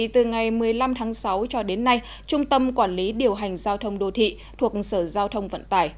từ ngày một mươi năm tháng sáu cho đến nay trung tâm quản lý điều hành giao thông đô thị thuộc sở giao thông vận tải